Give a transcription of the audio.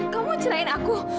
kamu mencerain aku